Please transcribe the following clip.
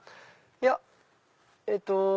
いやえっと。